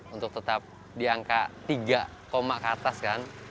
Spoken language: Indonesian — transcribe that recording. untuk tetap di angka tiga ke atas kan